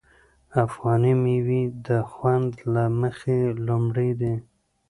افغاني میوې د خوند له مخې لومړی دي.